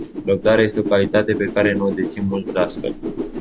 Răbdarea este o calitate pe care nu o dețin mulți dascăli.